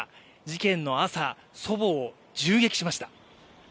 事件の朝、祖母を銃撃しました。